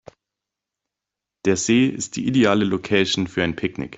Der See ist die ideale Location für ein Picknick.